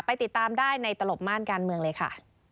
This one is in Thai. ติดตามได้ในตลบม่านการเมืองเลยค่ะ